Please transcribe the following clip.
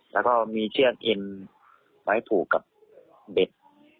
แล้วก็มีเชือกเอ็นไว้ผูกกับเบ็ด